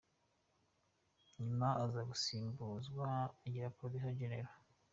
Nyuma aza gusimbuzwa agirwa Procureur Géneral !